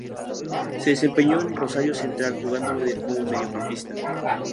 Se desempeñó en Rosario Central jugando como mediocampista.